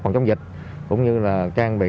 phòng chống dịch cũng như là trang bị